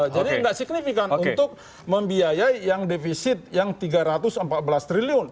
jadi nggak signifikan untuk membiayai yang defisit yang tiga ratus empat belas triliun